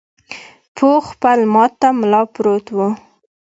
پوخ پل ماته ملا پروت و.